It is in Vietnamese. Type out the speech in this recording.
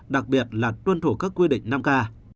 đặc biệt là tuân thủ các quy định năm k